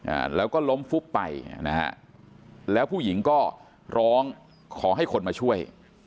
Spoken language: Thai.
อ่าแล้วก็ล้มฟุบไปนะฮะแล้วผู้หญิงก็ร้องขอให้คนมาช่วย